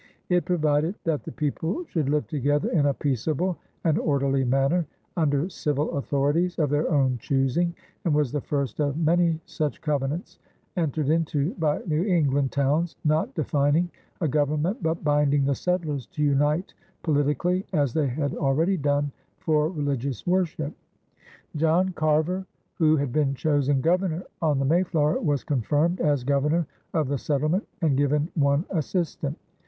It provided that the people should live together in a peaceable and orderly manner under civil authorities of their own choosing, and was the first of many such covenants entered into by New England towns, not defining a government but binding the settlers to unite politically as they had already done for religious worship. John Carver, who had been chosen governor on the Mayflower, was confirmed as governor of the settlement and given one assistant.